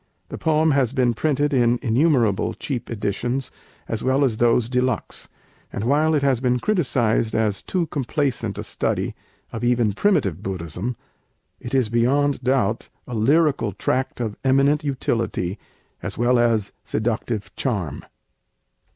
The poem has been printed in innumerable cheap editions as well as those de luxe; and while it has been criticized as too complaisant a study of even primitive Buddhism, it is beyond doubt a lyrical tract of eminent utility as well as seductive charm.